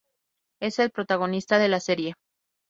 Es el protagonista de la serie.